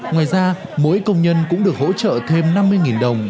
ngoài ra mỗi công nhân cũng được hỗ trợ thêm năm mươi đồng